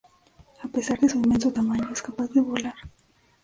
A pesar de su inmenso tamaño, es capaz de volar.